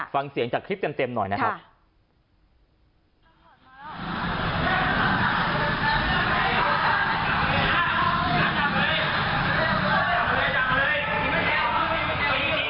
ฟังเสียงจากคลิปเต็มหน่อยนะครับ